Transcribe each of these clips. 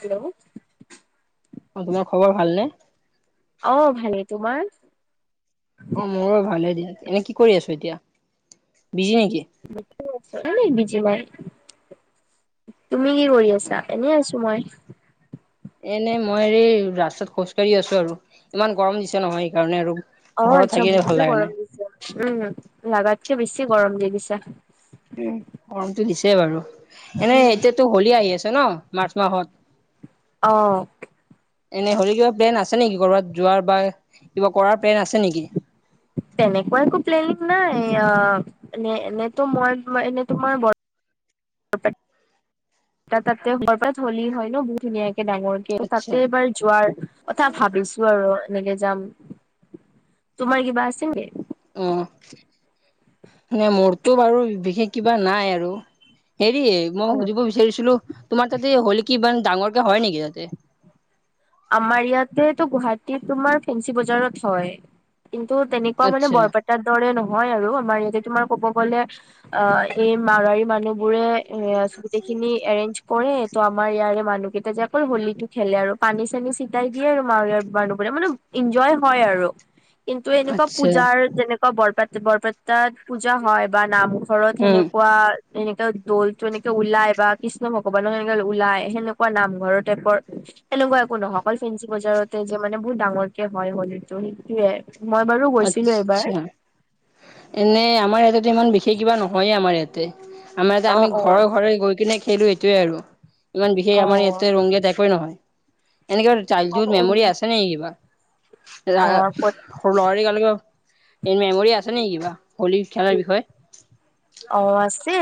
Hello অ' তোমাৰ খবৰ ভালনে? অ' ভালেই তোমাৰ? অ'মোৰো ভালে দিন এনে কি কৰি আছো এতিয়া বিজি নেকি? নাই, নাই বিজি নাই। তুমি কি কৰি আছা? এনেই আছো মই। এনে মই এই ৰাস্তাত খোজকাঢ়ি আছো আৰু ইমান গৰম দিছে নহয় সেইকাৰণে আৰু। অ ঘৰত আচ্ছা থাকিলে বহুতে ভাল লাগে গৰম নাই উম, লাগাতকে বেছি গৰম দি দিছে। উম, গৰমটো দিছে বাৰু এনেই এতিয়াতো হোলি আহি আছে ন মাৰ্চ মাহত। অ', এনেই হৰি কিবা প্লেন আছে নেকি ক'ৰবাত যোৱাৰ বা কিবা কৰাৰ প্লেন আছে নেকি? তেনেকুৱা একো প্লেনিং নাই অ' এনেতো মই এনে তোমাৰ এটা তাতে হোলী হয় ন বহুত ধুনীয়াকে ডাঙৰ আচ্ছা তাতে এবাৰ যোৱাৰ ভাবিছো। আৰু এনেকে যাম তোমাৰ কিবা আছেনে। অ', এনে মোৰটো বাৰু বিশেষ কিবা নাই আৰু হেৰি অ মই সুধিব বিচাৰিছিলোঁ তোমাৰ তাতে হ'লি কি ইমান ডাঙৰকে হয় নিকি তাতে? আমাৰ ইয়াতে টো গুৱাহাটীৰ তোমাৰ ফেঞ্চি বজাৰত হয়। কিন্তু তেনেকুৱা মানে আচ্ছা বৰপে তাৰ দৰে নহয় আৰু আমাৰ ইয়াতে তোমাৰ কব গ'লে অ' এই মাৰোৱাৰী মানুহ বোৰে এ গোটেই খিনি এৰেঞ্জ কৰে। ত' আমাৰ ইয়াৰে মানুহ কেইটা যে অকল হোলীটো খেলে আৰু, পানী চানী চিটাই দিয়ে আৰু মাৰুৱাৰী মানুহবোৰে মানে এনজয় হয় আৰু। কিন্তু এনেকুৱা আচ্ছা পূজাৰ যেনেকুৱা বৰপে- বৰপেটাত পূজা হয় বা নাম ঘৰত উম, সেনেকুৱা এনেকা দৌলটো এনেকে ওলাই বা কৃষ্ণ ভগৱানক এনে ওলাই সেনেকুৱা নামঘৰৰ টাইপৰ এনেকুৱা একো নহয় অকল ফেঞ্চি বজাৰতে যে মানে বহুত ডাঙৰ কে হয় হলীটো সেইটোৱে। মই বাৰু আচ্ছা এনে আমাৰ ইয়াতে ইমান বিশেষ কিবা নহয়ে আমাৰ ইয়াতে। আমাৰ ইয়াতে অ আমি অ ঘৰে ঘৰে গৈ কিনে খেলো এইটোয়ে আৰু। ইমান বিশেষ অ আমাৰ ইয়াতে ৰংগিয়াত একোৱে নহয় এনেক চাইল্ড অ হুড অ মেমৰি আছে অ', ক'ত [unintelligible] মেমৰি আছে নে কিবা হলী খেলাৰ বিষয়ে? অ' আছে।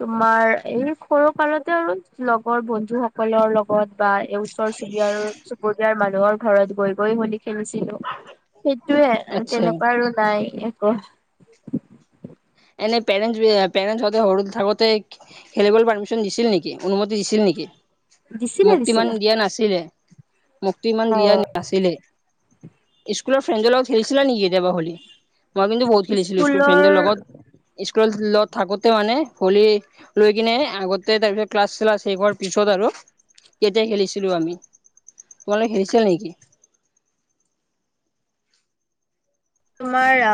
তোমাৰ এই সৰু কালতে আৰু লগৰ বন্ধু সকলৰ লগত বা এই ওচৰ চুবুৰীয়া চুবুৰীয়াৰ মানুহৰ ঘৰত গৈ গৈ হলি খেলিছিলো। সেইটোয়ে আচ্ছা তেনেকুৱা আৰু নাই একো। [unintelligible] এনে পেৰেণ্টচ পেৰেণ্টচ হতে সৰু থাকোতে খেলিবলৈ পাৰ্মিশন দিছিল নিকি অনুমতি দিছিল নিকি? দিছিলে মোক তো দিছিলে ইমান দিয়া নাছিলে, মোক তো অ ইমান দিয়া নাছিলে। স্কুলৰ ফ্ৰেণ্ডৰ লগত খেলছিলা নিকি কেতিয়াবা হলী মই কিন্তু বহুত খেলছিলো স্কুল স্কুলৰ ফেণ্ডৰ লগত। স্কুলত থাকোতে মানে হলি লৈ কিনে আগতে তাৰপিছত ক্লাছ চ্লাছ শেষ হোৱাৰ পিছত আৰু তেতিয়া খেলিছিলোঁ আমি তোমালোকে খেলিছিল নিকি? তোমাৰ আ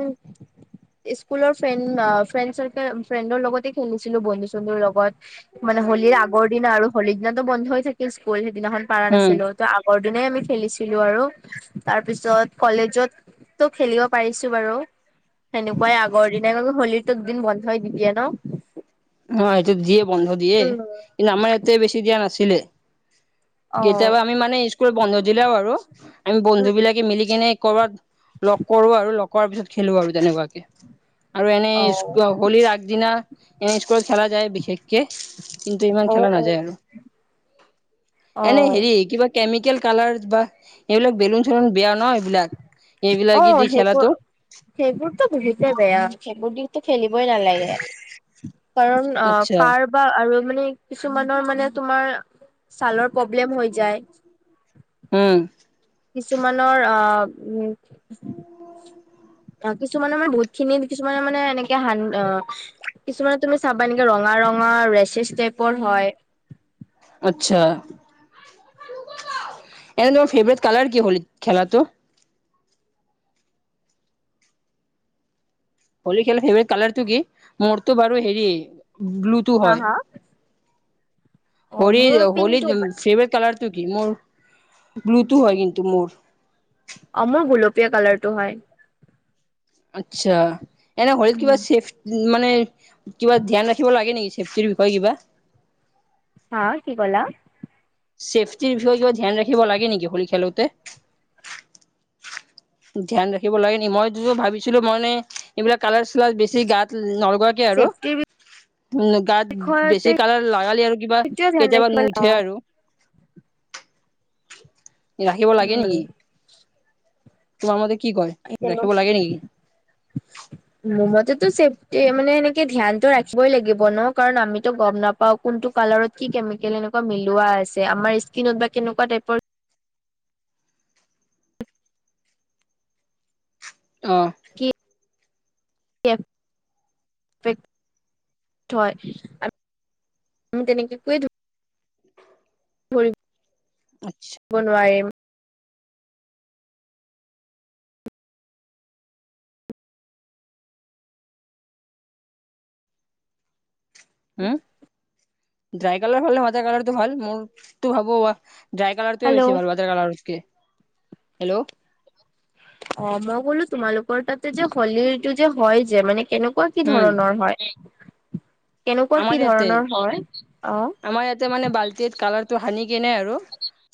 উম স্কুলৰ ফ্ৰেণ্ড আ ফ্ৰেণ্ড চাৰ্- ফ্ৰেণ্ডৰ লগতে খেলিছিলো বন্ধু চন্ধুৰ লগত মানে হলিৰ আগৰ দিনা আৰু হলিৰ দিনাতো বন্ধই থাকে স্কুল সেইদিনাখন পাৰা উম, নাছিলো ত' আগৰ দিনে আমি খেলিছিলো আৰু তাৰপিছত কলেজত তো খেলিব পাৰিছো বাৰু সেনেকুৱাই আগৰ দিনাই হলীটো দিন বন্ধই দি দিয়ে ন'। অ' সেইটো দিয়ে বন্ধ দিয়ে কিন্তু আমাৰ ইয়াতে বেছি দিয়া নাছিলে। অ কেতিয়াবা আমি মানে স্কুল বন্ধ দিলেও আৰু আমি বন্ধু বিলাকে মিলি কেনে কৰবাত লগ কৰো আৰু লগ কৰাৰ পিছত খেলো আৰু তেনেকুৱাকে আৰু এনে অ স্কুল হলিৰ আগদিনা এনে স্কুলত খেলা যায় বিশেষকে। কিন্ত অ ইমান অ খেলা নাযায় আৰু। অ এনে হেৰি কিবা কেমিকেল কালাৰ বা এইবিলাক বেলুন চেলুন বেয়া ন' এইবিলাক। এইবিলাক অ' দি খেলাটো সেইবোৰ সেইবোৰতো বহুতে বেয়া সেইবোৰ দি ত খেলিবই নালাগে কাৰণ অ' আচ্ছা কাৰ বা আৰু মানে কিছুমানৰ মানে তোমাৰ ছালৰ প্ৰব্লেম হৈ যায়। উম। কিছুমানৰ অ' উম, অ' কিছুমানে মানে বহুত খিনি কিছুমানে মানে এনেকে হান অ কিছুমানত তুমি চাবা এনেকে ৰঙা, ৰঙা ৰেচেছ টাইপৰ হয়। আচ্ছা এনে তোমাৰ ফেভৰেট কালাৰ কি হলিত খেলাটো? হলি খেল ফেভৰেট কালাৰটো কি মোৰটো বাৰু হেৰি ব্লুটো হা হয়। হা অ হলীৰ মোৰ হলী পিংকটো হয় ফেভৰেট কালাৰটো কি মোৰ ব্লুটো হয় কিন্তু মোৰ। অ' মোৰ গুলপীয়া কালাৰ টো হয়। আচ্ছা এনে হলিত উম কিবা চেফ মানে কিবা ধ্যান ৰাখিব লাগে নেকি চেফটিৰ বিষয়ে কিবা? হা কি ক'লা? ছেফটিৰ বিষয়ে কিবা ধ্যান ৰাখিব লাগে নেকি হলী খেলোতে? উ ধ্যান ৰাখিব লাগে নি মই টোতো ভাবিছিলোঁ মই এনে এইবিলাক কালাৰ চালাৰ বেছি গাত নলগা কে আৰু চেফটিৰ গাত বিষয়তে বেছি কালাৰ লাগালি আৰু কিবা সেইটোৱে ধ্যান কেতিয়াবা ৰাখিব নু লাগে অ উঠে আৰু। ৰাখিব লাগে উম নেকি? তোমাৰ মতে কি কয়? আহি কেনো ৰাখিব লাগে নেকি মোৰ মতেতো চেফটিয়ে মানে এনেকে ধ্যানটো ৰাখিবই লাগিব ন' কাৰণ আমিতো গম নাপ পাওঁ কোনটো কালাৰত কি কেমিকেল এনেকুৱা মিলোৱা আছে আমাৰ স্কিনত বা কেনেকুৱা টাইপৰ অ', কি কে [unintelligible] [unintelligible] আচ্ছা। বনুৱাইম। উম, ড্ৰাই কালাৰ [unintelligible] টো ভাবো মই। ড্ৰাই কালাৰটোৱে হেল্ল' বেছি ভাল [unintelligible] কালাৰতকে হেল্ল' অ' মই ক'লো তোমালোকৰ তাতে যে হলিৰটো যে হয় মানে কেনেকুৱা কি উম ধৰণৰ হয় কেনেকুৱা আমাৰ কি ইয়াতে ধৰণৰ হয় অ' আমাৰ ইয়াতে মানে বালটিত কালাৰটো হানি কেনে আৰু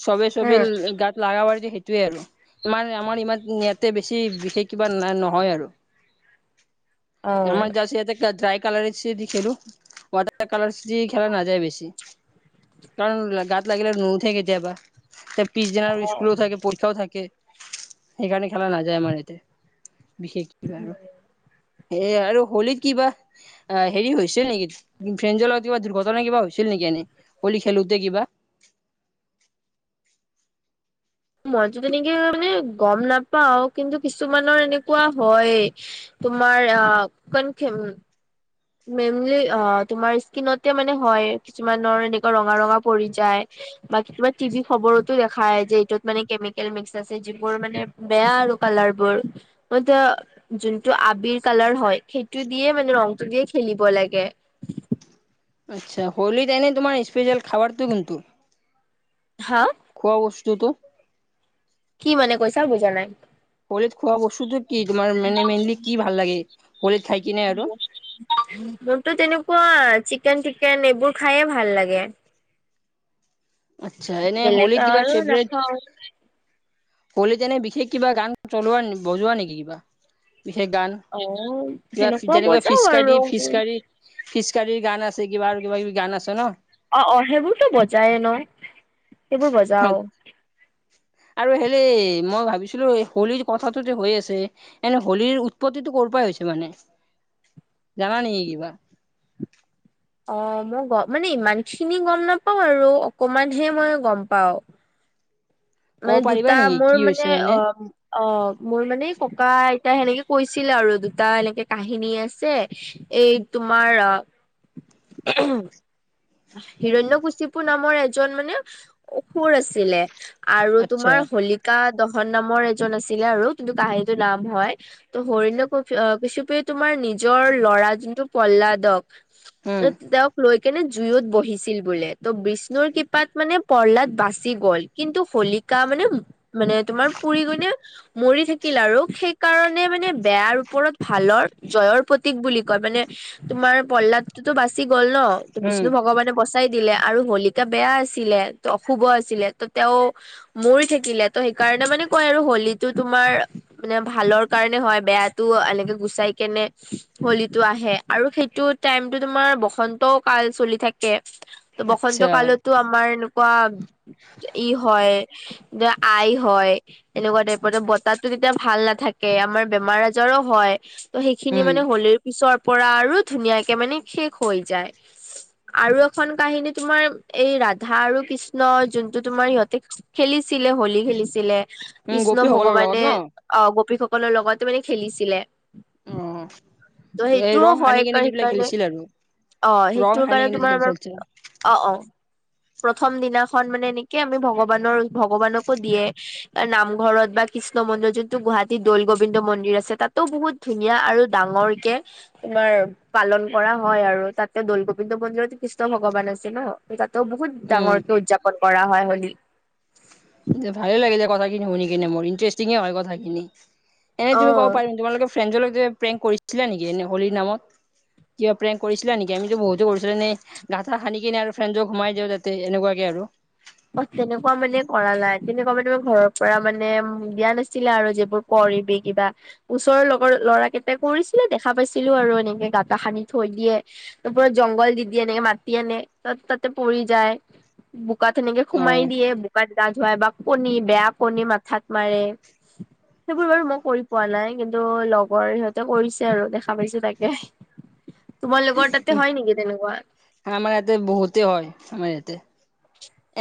চবে, চবে উম গাত লাগাবাৰ দিয়ে সেইটোয়ে আৰু আমাৰ, আমাৰ ইমান ইয়াতে বেছি বিশেষ কিবা নহয় আৰু। [inaudible] এমাৰ যাচ ইয়াতে [unintelligible] ড্ৰাই কালাৰ চে দখেলোঁ। ৱাটাৰ কালাৰ্ছ দি খেলা নাযায় বেছি। কাৰণ গাত লাগিলে নুওথে কেতিয়াবা তে পিছদিনা স্কুলো থাকে, পৰীক্ষাও থাকে। সেইকাৰণে খেলা নাযায় আমাৰ ইয়াতে বিশেষ কিবা আৰু। সেয়ে আৰু হোলীত কিবা অ' হেৰি হৈছে নেকি? ফ্ৰেণ্ডজৰ লগত কিবা দুৰ্ঘটনা কিবা হৈছিল নেকি এনেই হলি খেলোঁতে কিবা? মইতো তেনেকে [unintelligible] মানে গম নাপাও কিন্তু কিছুমানৰ এনেকুৱা হয়ে। তোমাৰ অ' কনখেম মেমলি অ' তোমাৰ স্কিনতে মানে হয় কিছুমানৰ এনেকুৱা ৰঙা, ৰঙা পৰি যায় বা [unintelligible] টিভি খবৰতো দেখায় যে এইটোত মানে কেমিকেল মিক্স আছে যিবোৰ মানে বেয়া আৰু কালাৰ বোৰ [unintelligible] যোনটো আবিৰ কালাৰ হয় সেইটো দিয়ে মানে ৰংটো দিয়ে খেলিব লাগে। আচ্ছা, হোলীত এনেই তোমাৰ স্পেচিয়েল খাৱাৰটো কোনটো? হা খোৱা বস্তুটো কি মানে কৈছা বুজা নাই কলেদ খোৱা বস্তুটো কি তোমাৰ মেনে মেইনলি কি ভাল লাগে কলেদ খাই কিনে আৰু মোৰতো তেনেকুৱা চিকেন তিকেন এইবোৰ খায়ে ভাল লাগে আচ্ছা এনে বেলেগ হোলীত কিবা আৰু নাখাওঁ হ'লিত এনে বিশেষ কিবা গান চলোৱা নে বজোৱা নেকি কিবা বিশেষ গান অ' কিবা সেনেকুৱা যেনিবা বজাও ফিচকাৰী আৰু ফিচকাৰী পিচকাৰীৰ গান আছে কিবা আৰু কিবা কিবি গান আছে ন অ অ সেইবোৰতো বজায়ে ন সেইবোৰ বজাও আৰু হেলে মই ভাবিছিলো হোলীৰ কথাটো যে হৈ আছে এনে হোলীৰ উৎপত্তিটো ক'ৰ পৰাই হৈছে মানে জানা নেকি কিবা? অ মই গ মানে ইমান খিনি গম নাপাও আৰু অকমানহে মই গম পাও ক'ব মানে পাৰিবা দুটা নেকি মোৰ কি হৈছে মানে অ অ মোৰ মানে ককা আইতাই সেনেকে কৈছিলে আৰু দুটা এনেকে কাহিনী আছে এই তোমাৰ হিৰণ্যকশিপুৰ নামৰ এজন মানে অসুৰ আছিলে আৰু আচ্ছা তোমাৰ হলিকা দহন নামৰ এজন আছিলে আৰু কিন্তু কাহিনীটো নাম হয় ত হৰন্য ক কশিপুৰে তোমাৰ নিজৰ ল'ৰা যোনটো প্ৰসল্লাদক উম। তেওঁক লৈ কেনে জুইত বহিছিল বোলে ত বিষ্ণুৰ কৃপাত মানে প্ৰহল্লাদ বাচি গ'ল কিন্তু ফুলিকা মানে মানে তোমাৰ পুৰি কিনে মৰি থাকিল আৰু সেইকাৰণে মানে বেয়াৰ ওপৰত ভালৰ জয়ৰ প্ৰতীক বুলি কয় মানে তোমাৰ প্ৰহল্লাদ টোতো বাচি গ'ল ন উম, বিষ্ণু ভগৱানে বচা চাই দিলে আৰু শলিকা বেয়া আছিলে ত অশুভ আছিলে ত তেওঁ মৰি থাকিলে ত সেইকাৰণে মানে কয় আৰু হলীটো তোমাৰ মানে ভালৰ কাৰণে হয় বেয়াটো এনেকে গুচাই কেনে হোলীটো আহে আৰু সেইটোত টাইমটো তোমাৰ বসন্ত কাল চলি থাকে ত আচ্ছা বসন্ত কালতো আমাৰ এনেকুৱা ই হয় যে আই হয় এনেকুৱা টাইপৰ যে বতাহটো যেতিয়া ভাল নাথাকে আমাৰ বেমাৰ আজাৰো হয় ত সেইখিনি উম, মানে হলীৰ পিছৰ পৰা আৰু ধুনীয়াকে মানে শেষ হৈ যায় আৰু এখন কাহিনী তোমাৰ এই ৰাধা আৰু কৃষ্ণ যোনটো তোমাৰ সিহঁতে খেলিছিলে হলী খেলিছিলে উম, কৃষ্ণ গোপীসকলৰ লগত ভগৱানে ন? অ গোপীসকলৰ লগত মানে খেলিছিলে অ', ত এই ৰং সেইটোও সানি হয় কেনে যিবিলাক সেইকাৰণে খেলিছিল আৰু অ ৰং সেইটোৰ সানি কাৰণে কেনে যে তোমাৰ খেলিছিল আমাৰ আচ্ছা অ অ প্ৰথম দিনাখন মানে এনেকে আমি ভগৱানৰ ভগৱানকো দিয়ে নামঘৰত বা কৃষ্ণ মন্দিৰ যোনটো গুৱাহাটীৰ দৌল গোবিন্দ মন্দিৰ আছে তাতো বহুত ধুনীয়া আৰু ডাঙৰকে তোমাৰ পালন কৰা হয় আৰু তাত এ দৌল গোবিন্দ মন্দিৰত কৃষ্ণ ভগৱান আছে ন তাতো বহুত উম, ডাঙৰকে উদযাপন হয় হলী যে ভালে লাগিলে কথাখিনি শুনিকিনে মোৰ ইণ্টাৰেষ্টিঙে হয় কথাখিনি এনেই তুমি কব অ পাৰিম তোমালোকে ফ্ৰেণ্ডজৰ লগত যে প্ৰেংক কৰিছিলা নেকি এনে হলীৰ নামত? কিবা প্ৰেংক কৰিছিলা নেকি আমিতো বহুতো কৰিছিলো এনে গাঠা সানি কিনে আৰু ফ্ৰেণ্ডজক সোমাই দিওঁ যাতে এনেকুৱাকে আৰু অ তেনেকুৱা মানে কৰা নাই তেনেকুৱা মানে মই ঘৰৰ পৰা মানে উম দিয়া নাছিলে আৰু যিবোৰ কৰিবি কিবা ওচৰৰ লগৰ ল'ৰাকেইটা কৰিছিলে দেখা পাইছিলো আৰু এনেকে গাতা সানি থৈ দিয়ে। তাৰ পৰা জংঘল দি দি এনেকে মাতি আনে ত-তাতে পৰি যায় বোকাত। তেনেকে সোমাই অ', দিয়ে বোকাত গা-ধুৱাই বা কণী বেয়া কণী মাথাত মাৰে। সেইবোৰ বাৰু মই কৰি পোৱা নাই। কিন্তু লগৰ সিহঁতে কৰিছে আৰু দেখা পাইছে চাগে। তোমালোকৰ তাতে হয় নেকি তেনেকুৱা? আমাৰ ইয়াতে বহুতে হয়, আমাৰ ইয়াতে।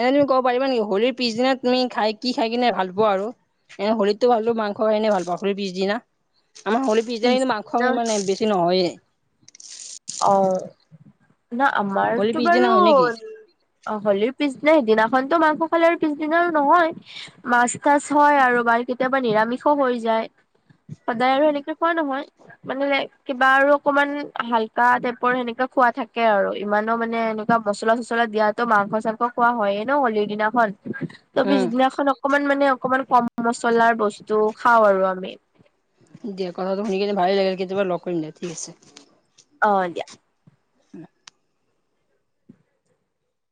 এনে তুমি কব পাৰিবা নেকি হলিৰ পিছদিনাত তুমি খাই কি খাই কিনে ভাল পোৱা আৰু? এনে হোলীতটো ভালো মাংস খাইকিনে ভাল পাওঁ, হোলীৰ পিছদিনা আমাৰ হোলী পিছদিনা কিন্তু মাংস ইমান বেছি নাই নহয়েই। অ' হোলীৰ আমাৰতো পিছদিনা বাৰু হয় নেকি? অ' হোলীৰ পিছদিনা সেইদিনাখনতো মাংস খালে আৰু পিছদিনা আৰু নহয়। মাছ-তাছ হয় আৰু বাৰ কেতিয়াবা নিৰামিষো হৈ যায়। সদায় আৰু সেনেকে খোৱা নহয়, মানে কিবা আৰু অকমান হাল কা টাইপৰ সেনেকা খোৱা থাকে আৰু, ইমানো মানে এনেকুৱা মছলা-চচলা দিয়াতো মাংস-চাংস কোৱা হয়ে ন, হোলীৰ দিনাখন। ত' উম, পিছদিনাখন অকমান মানে অকমান কম মচলাৰ বস্তু খাও আৰু আমি। দিয়া কথাটো শুনি কেনে ভালেই লাগে, কেতিয়াবা লগ কৰিম দিয়া ঠিক আছে। অ' দিয়া! [inaudible]